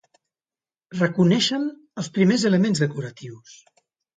Reconeixen els primers elements decoratius: